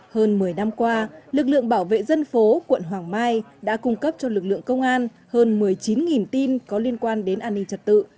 hơn một mươi năm qua lực lượng bảo vệ dân phố quận hoàng mai đã cung cấp cho lực lượng công an hơn một mươi chín tin có liên quan đến an ninh trật tự